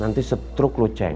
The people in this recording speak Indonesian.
nanti setruk lu ceng